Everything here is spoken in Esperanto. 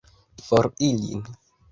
For ilin!